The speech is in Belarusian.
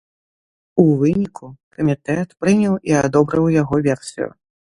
У выніку камітэт прыняў і адобрыў яго версію.